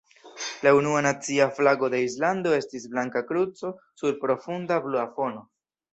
La unua nacia flago de Islando estis blanka kruco sur profunda blua fono.